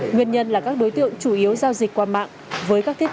nguyên nhân là các đối tượng chủ yếu giao dịch